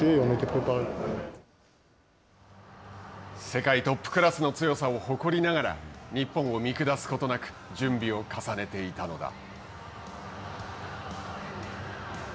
世界トップクラスの強さを誇りながら、日本を見下すことなく準備を重ねていたのだ。